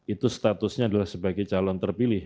itu statusnya adalah sebagai calon terpilih